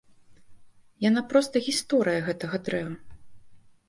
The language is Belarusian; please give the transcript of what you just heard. Яна проста гісторыя гэтага дрэва.